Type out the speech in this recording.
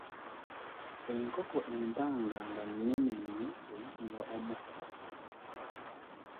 Enkoko empanga nga nnene nnyo eyitibwa omukku.